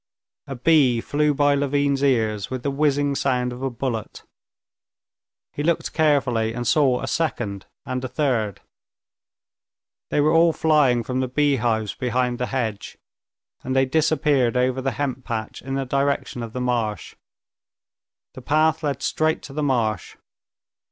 A bee flew by Levin's ear with the whizzing sound of a bullet. He looked carefully, and saw a second and a third. They were all flying from the beehives behind the hedge, and they disappeared over the hemp patch in the direction of the marsh. The path led straight to the marsh.